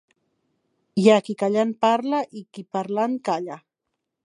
Hi ha qui callant parla i qui parlant calla.